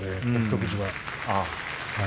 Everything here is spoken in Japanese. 富士は。